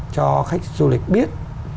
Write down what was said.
cho khách du lịch biết